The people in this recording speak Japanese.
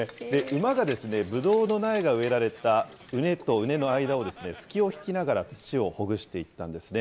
馬がぶどうの苗が植えられた畝と畝の間をすきを引きながら土をほぐしていったんですね。